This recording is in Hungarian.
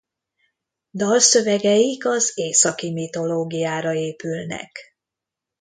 Dalszövegeik az északi mitológiára épülnek.